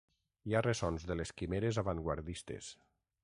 Hi ha ressons de les quimeres avantguardistes.